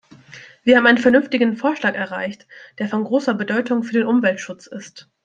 Wir haben einen vernünftigen Vorschlag erreicht, der von großer Bedeutung für den Umweltschutz ist.